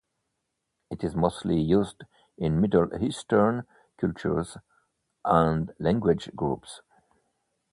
It is mostly used in Middle Eastern cultures and language groups.